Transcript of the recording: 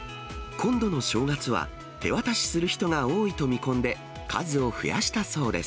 今度の正月は手渡しする人が多いと見込んで、数を増やしたそうです。